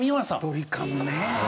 ドリカムね。